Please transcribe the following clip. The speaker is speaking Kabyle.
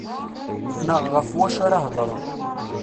Neɣ ɣef wacu ara hedren.